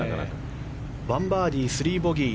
１バーディー、３ボギー。